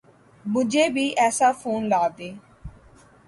مجھے بھی ایسا فون لا دیں